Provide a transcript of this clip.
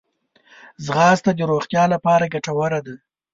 ځغاسته د روغتیا لپاره ګټوره ده